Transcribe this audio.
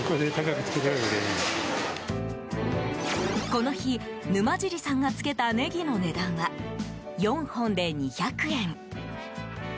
この日、沼尻さんがつけたネギの値段は、４本で２００円。